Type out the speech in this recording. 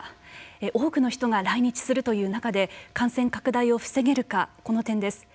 多くの人が来日するという中で感染拡大を防げるかこの点です。